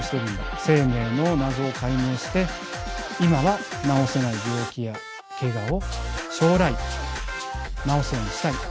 生命の謎を解明して今は治せない病気やけがを将来治すようにしたい。